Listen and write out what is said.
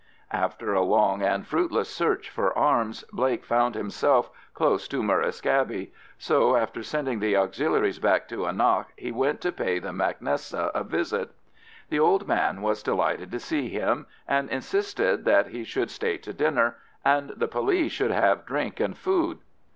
After a long and fruitless search for arms, Blake found himself close to Murrisk Abbey; so, after sending the Auxiliaries back to Annagh, he went to pay the mac Nessa a visit. The old man was delighted to see him, and insisted that he should stay to dinner, and the police should have drink and food.